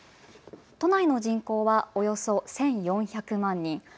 都内の人口はおよそ１４００万人。